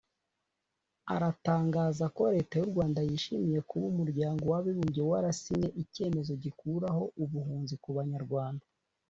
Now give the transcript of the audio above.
aratangaza ko Leta y’u Rwanda yishimiye kuba Umuryango w’Abibumbye warasinye icyemezo gikuraho ubuhunzi ku Banyarwanda